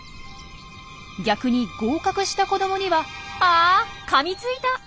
逆に合格した子どもにはあかみついた！